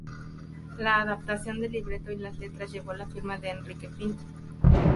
La adaptación del libreto y las letras llevó la firma de Enrique Pinti.